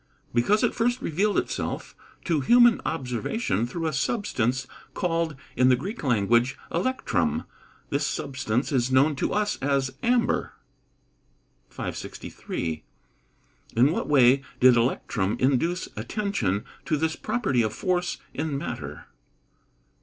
_ Because it first revealed itself to human observation through a substance called, in the Greek language, electrum. This substance is known to us as amber. 563. _In what way did electrum induce attention to this property of force in matter?